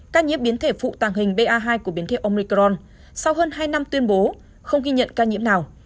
ca nhiễm biến thể phụ tàng hình ba hai của biến thể onglicron sau hơn hai năm tuyên bố không ghi nhận ca nhiễm nào